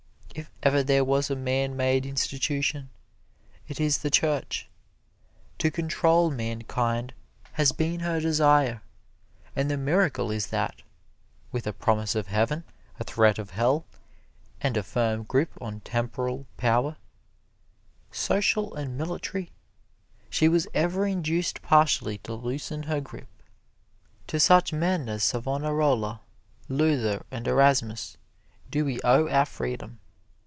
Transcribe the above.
If ever there was a man made institution, it is the Church. To control mankind has been her desire, and the miracle is that, with a promise of heaven, a threat of hell, and a firm grip on temporal power social and military she was ever induced partially to loosen her grip. To such men as Savonarola, Luther and Erasmus, do we owe our freedom.